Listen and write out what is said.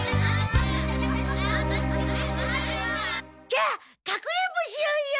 じゃあかくれんぼしようよ。